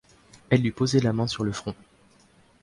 Et elle lui posait la main sur le front.